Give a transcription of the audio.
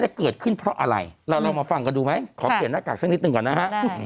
เกิดขึ้นเพราะอะไรเราลองมาฟังกันดูไหมขอเปลี่ยนหน้ากากสักนิดหนึ่งก่อนนะฮะ